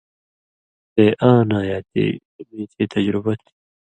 تےۡ آں نا یاتی، میں چئ تجربہ تھی